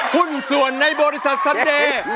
หุ้นส่วนในบริษัทซันเจ